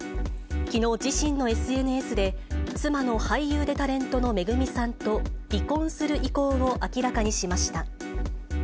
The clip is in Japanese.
きのう、自身のＳＮＳで、妻の俳優でタレントのＭＥＧＵＭＩさんと離婚する意向を明らかにしました。